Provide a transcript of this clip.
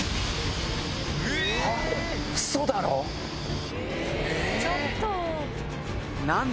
ウソだろ⁉ちょっと！